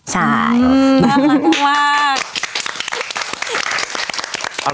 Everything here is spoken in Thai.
ใช่อืมน่ากลังมากมาก